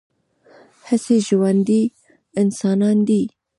هسې ژوندي انسانان دي